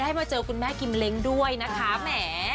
ได้มาเจอคุณแม่กริมเลนกรค์ด้วยนะคะแหม